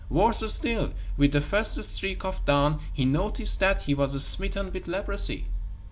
Worse still, with the first streak of dawn he noticed that he was smitten with leprosy.